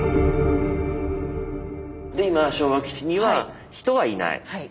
今昭和基地には人はいない。